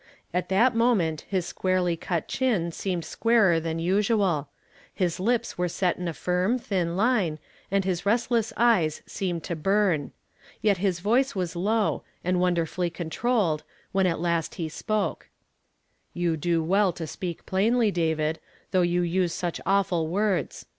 At that moment his squarely cut chin seemed squarer than usual ; his lips were set in a firm, thin line, and his restless eyes seemed to burn. Yet his voice was low, and wonderfully controlled, when at last he spoke :" You do well to speak plainly, David, though you use such awful words.